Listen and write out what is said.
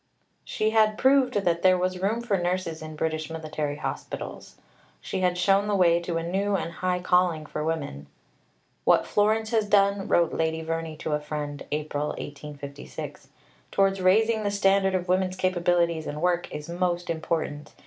She had proved that there was room for nurses in British military hospitals. She had shown the way to a new and high calling for women. "What Florence has done," wrote Lady Verney to a friend (April 1856), "towards raising the standard of women's capabilities and work is most important.